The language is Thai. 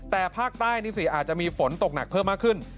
แต่ภาคใต้นี่สิอาจจะมีฝนตกหนักเพิ่มมากขึ้น